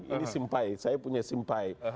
ini simpait saya punya simpai